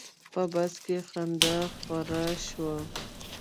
په بس کې خندا خوره شوه.